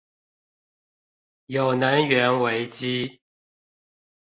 有能源危機